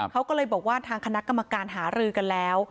เขาก็เลยบอกว่าทางคณะกรรมการหารือกันแล้ว